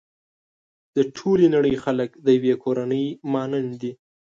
د ټولې نړۍ خلک د يوې کورنۍ مانند دي.